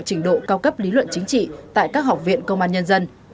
trình độ cao cấp lý luận chính trị tại các học viện công an nhân dân